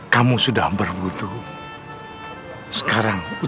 gauh banget mah ini